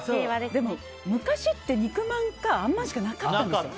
でも、昔って肉まんかあんまんしかなかったんですよ。